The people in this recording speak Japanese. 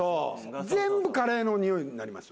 全部カレーのにおいになりますよ